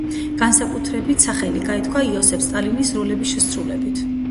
განსაკუთრებით სახელი გაითქვა იოსებ სტალინის როლების შესრულებით.